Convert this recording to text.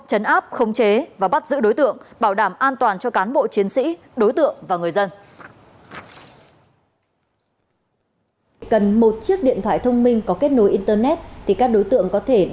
chấn áp khống chế và bắt giữ đối tượng bảo đảm an toàn cho cán bộ chiến sĩ đối tượng và người dân có thể